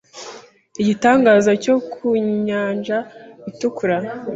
igitangaza cyo ku nyanja itukura